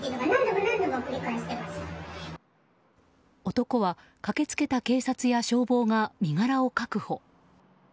男は駆け付けた警察や消防が身柄を確保。